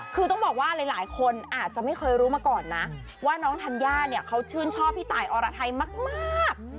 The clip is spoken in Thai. คือต้องบอกว่าหลายคนอาจจะไม่เคยรู้มาก่อนนะว่าน้องธัญญาเนี่ยเขาชื่นชอบพี่ตายอรไทยมาก